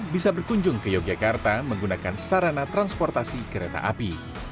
bisa berkunjung ke yogyakarta menggunakan sarana transportasi kereta api